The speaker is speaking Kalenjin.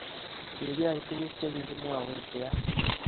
kikiyei tuguk che kikimwowech ke yai